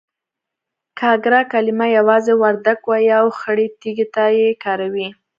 گاگره کلمه يوازې وردگ وايي او خړې تيږې ته يې کاروي.